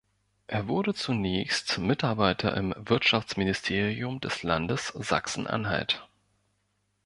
Er wurde zunächst Mitarbeiter im Wirtschaftsministerium des Landes Sachsen-Anhalt.